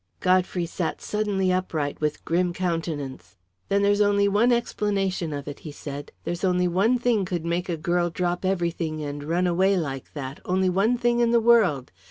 Godfrey sat suddenly upright with grim countenance. "Then there's only one explanation of it," he said. "There's only one thing could make a girl drop everything and run away like that only one thing in the world.